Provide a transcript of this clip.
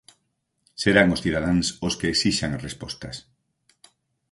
Serán os cidadáns os que esixan respostas.